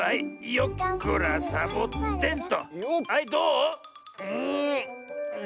よっこらサボテンと。